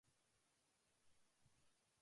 言語足りなすぎだろ